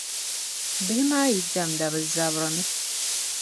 Bihi maa yi diɛmda, bɛ zabirimi.